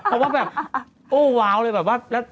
เพราะว่าแบบโอ้ว้าวเลยแบบว่า